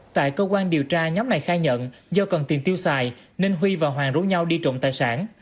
tại cơ quan điều tra nhóm này khai nhận do cần tiền tiêu xài nên huy và hoàng rủ nhau đi trộm tài sản